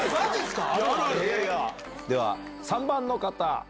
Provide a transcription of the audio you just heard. では３番の方。